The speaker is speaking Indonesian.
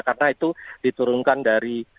karena itu diturunkan dari